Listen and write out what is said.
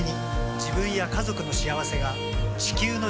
自分や家族の幸せが地球の幸せにつながっている。